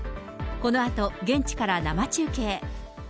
このあと現地から生中継。